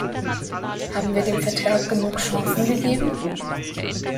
Haben wir dem Vertrag genug Chancen gegeben?